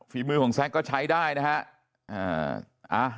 ฝีมือก็ใช้ได้นะครับ